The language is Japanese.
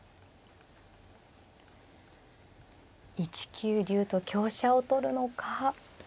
１九竜と香車を取るのか。